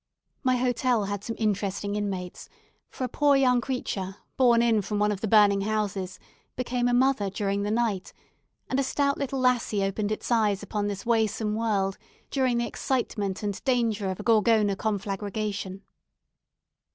My hotel had some interesting inmates, for a poor young creature, borne in from one of the burning houses, became a mother during the night; and a stout little lassie opened its eyes upon this waesome world during the excitement and danger of a Gorgona conflagration.